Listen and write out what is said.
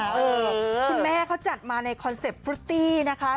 คุณแม่เขาจัดมาในคอนเซ็ปต์ฟรุตตี้นะคะ